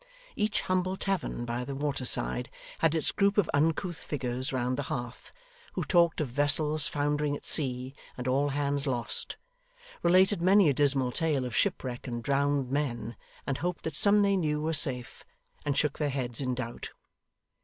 Each humble tavern by the water side, had its group of uncouth figures round the hearth, who talked of vessels foundering at sea, and all hands lost; related many a dismal tale of shipwreck and drowned men, and hoped that some they knew were safe, and shook their heads in doubt.